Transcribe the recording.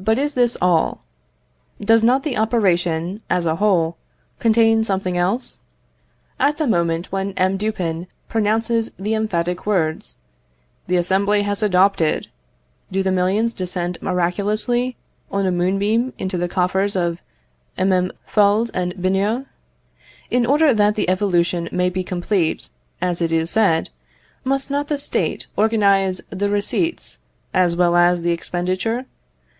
But is this all? Does not the operation, as a whole, contain something else? At the moment when M. Dupin pronounces the emphatic words, "The Assembly has adopted," do the millions descend miraculously on a moonbeam into the coffers of MM. Fould and Bineau? In order that the evolution may be complete, as it is said, must not the State organise the receipts as well as the expenditure?